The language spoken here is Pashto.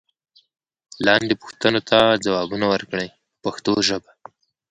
لاندې پوښتنو ته ځوابونه ورکړئ په پښتو ژبه.